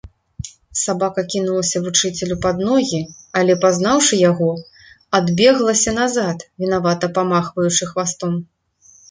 Сабака кінулася вучыцелю пад ногі, але, пазнаўшы яго, адбеглася назад, вінавата памахваючы хвастом.